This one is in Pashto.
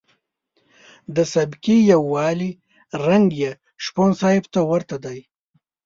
د سبکي یوالي رنګ یې شپون صاحب ته ورته دی.